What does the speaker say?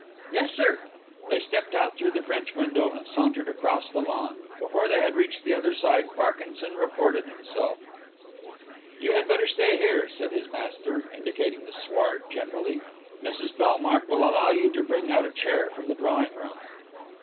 "Yes, sir." They stepped out through the French window and sauntered across the lawn. Before they had reached the other side Parkinson reported himself. "You had better stay here," said his master, indicating the sward generally. "Mrs Bellmark will allow you to bring out a chair from the drawing room."